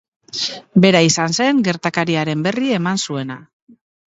Bera izan zen gertakariaren berri eman zuena.